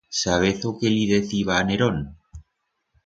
Sabez o que li deciba a Nerón?